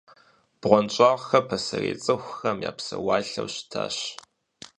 БгъуэнщӀагъхэр пасэрей цӀыхухэм я псэуалъэу щытащ.